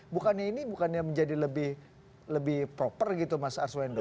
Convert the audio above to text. bukannya ini menjadi lebih proper gitu mas aswendo